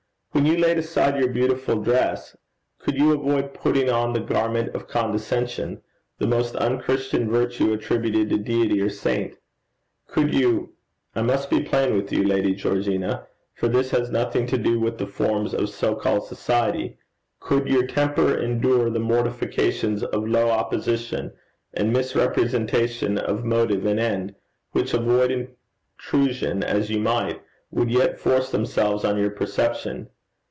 When you laid aside your beautiful dress, could you avoid putting on the garment of condescension, the most unchristian virtue attributed to Deity or saint? Could you I must be plain with you, Lady Georgina, for this has nothing to do with the forms of so called society could your temper endure the mortifications of low opposition and misrepresentation of motive and end which, avoid intrusion as you might, would yet force themselves on your perception?